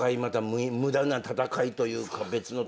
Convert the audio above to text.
無駄な戦いというか別の戦い。